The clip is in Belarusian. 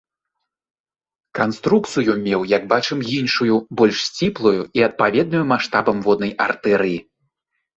Канструкцыю меў, як бачым, іншую, больш сціплую і адпаведную маштабам воднай артэрыі.